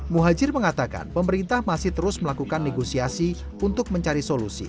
muhajir mengatakan pemerintah masih terus melakukan negosiasi untuk mencari solusi